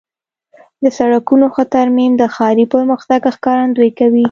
د سړکونو ښه ترمیم د ښاري پرمختګ ښکارندویي کوي.